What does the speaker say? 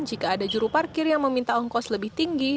jika ada juru parkir yang meminta ongkos lebih tinggi